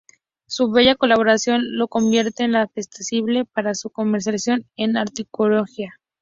Su bella coloración lo convierte en apetecible para su comercialización en acuariología.